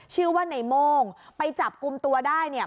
ชื่อว่าในโม่งไปจับกลุ่มตัวได้เนี่ย